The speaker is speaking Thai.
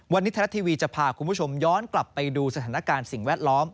วันนี้ไทยรัฐทีวีจะพาคุณผู้ชมย้อนกลับไปดูสถานการณ์สิ่งแวดล้อม